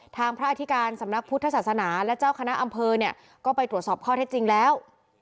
พระอธิการสำนักพุทธศาสนาและเจ้าคณะอำเภอเนี่ยก็ไปตรวจสอบข้อเท็จจริงแล้ว